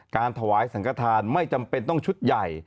การถวายสังกฐานไม่จำเป็นต้องชุดใหญ่